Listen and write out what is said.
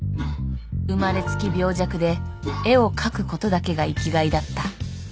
「生まれつき病弱で絵を描くことだけが生きがいだった」